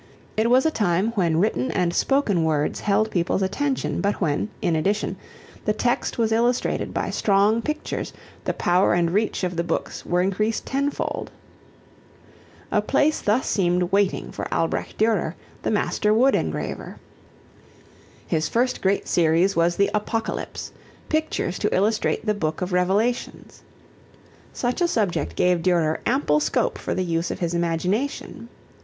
It was a time when written and spoken words held people's attention, but when, in addition, the text was illustrated by strong pictures the power and reach of the books were increased ten fold. A place thus seemed waiting for Albrecht Durer, the master wood engraver. His first great series was the Apocalypse pictures to illustrate the book of Revelations. Such a subject gave Durer ample scope for the use of his imagination.